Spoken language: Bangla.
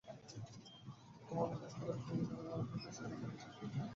তোমার মতো সুন্দরী মেয়ে আমি খুব বেশি দেখি নি।